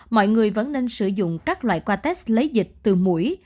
mọi người vẫn nên sử dụng các loại qua test lấy dịch từ mũi